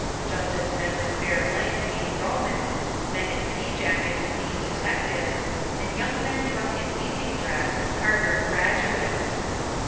Just as men with bare legs mean Romans, men in pea jackets mean detectives, and young men drunk in evening dress Harvard graduates.